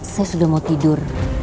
saya sudah mau tidur